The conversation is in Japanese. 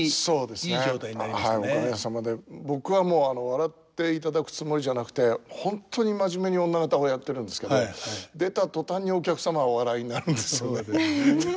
僕は笑っていただくつもりじゃなくて本当に真面目に女方をやってるんですけど出た途端にお客様がお笑いになるんですよね。